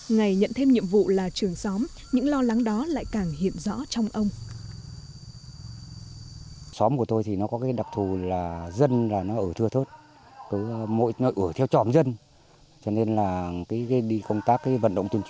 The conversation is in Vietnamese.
ngày nhận thêm nhiệm vụ là trưởng xóm những lo lắng đó lại càng hiện rõ trong ông